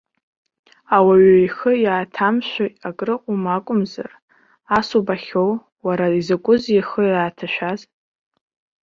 Ауаҩы ихы иааҭамшәо акрыҟоума акәымзар, ас убахьоу, уара, изакәызеи ихы иааҭашәаз!